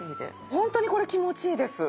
ホントにこれ気持ちいいです。